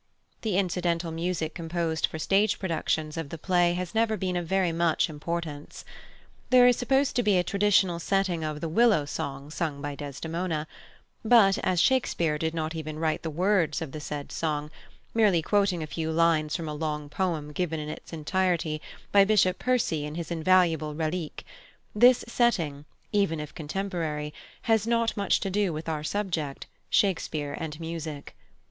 The incidental music composed for stage productions of the play has never been of very much importance. There is supposed to be a traditional setting of the "Willow Song," sung by Desdemona; but, as Shakespeare did not even write the words of the said song, merely quoting a few lines from a long poem given in its entirety by Bishop Percy in his invaluable Reliques, this setting, even if contemporary, has not much to do with our subject, "Shakespeare and Music."